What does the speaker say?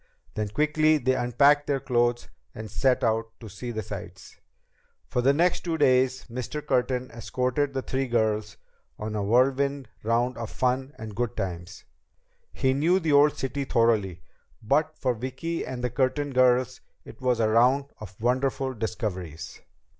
Then quickly they unpacked their clothes and set out to see the sights. For the next two days, Mr. Curtin escorted the three girls on a whirlwind round of fun and good times. He knew the old city thoroughly, but for Vicki and the Curtin girls it was a round of wonderful discoveries.